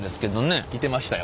あっいてましたよ。